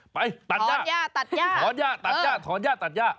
ไปตัดย่าตัดย่าตัดย่าถอนย่าตัดย่าถอนย่าตัดย่า